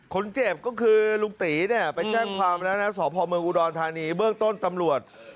คนเจ็บคือลุงตี๊ไปแจ้งความพอมืออูดัลธานีเรื่องต้นตำรวจ